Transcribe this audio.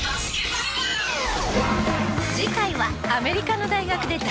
次回はアメリカの大学で大ブレーク